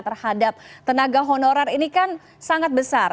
terhadap tenaga honorer ini kan sangat besar